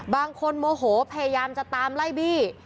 บางคนโมโหพยายามจะตามไล่บี้